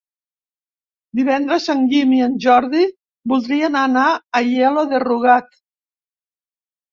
Divendres en Guim i en Jordi voldrien anar a Aielo de Rugat.